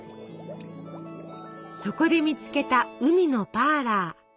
そこで見つけた海のパーラー。